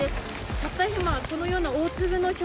たった今、このような大粒のひょ